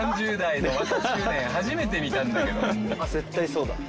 絶対そうだ。